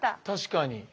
確かに。